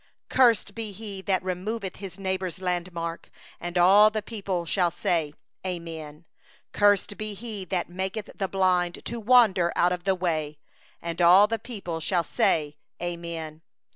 17Cursed be he that removeth his neighbour's landmark. And all the people shall say: Amen. 18Cursed be he that maketh the blind to go astray in the way. And all the people shall say: Amen.